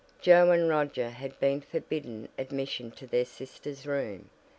Joe and Roger had been forbidden admission to their sister's room.